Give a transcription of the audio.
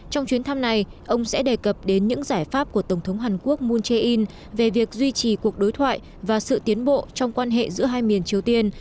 trong chuyến thăm này ông sẽ đề cập đến những giải pháp của tổng thống hàn quốc moon jae in về việc duy trì cuộc đối thoại và sự tiến bộ trong quan hệ giữa hai miền triều tiên